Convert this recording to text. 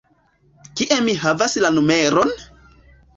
Kie mi havas la numeron?